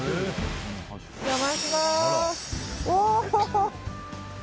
お邪魔します。